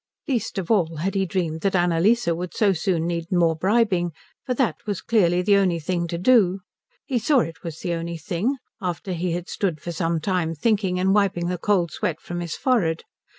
Least of all had he dreamed that Annalise would so soon need more bribing; for that was clearly the only thing to do. He saw it was the only thing, after he had stood for some time thinking and wiping the cold sweat from his forehead.